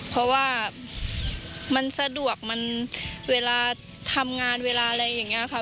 เพราะว่ามันสะดวกมันเวลาทำงานเวลาอะไรอย่างนี้ค่ะ